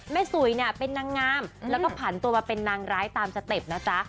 สุยเนี่ยเป็นนางงามแล้วก็ผันตัวมาเป็นนางร้ายตามสเต็ปนะจ๊ะ